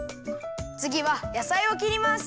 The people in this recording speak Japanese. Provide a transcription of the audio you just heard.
つぎはやさいをきります。